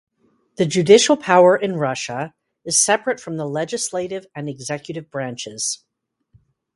The judicial power in Russia is separate from the legislative and executive branches.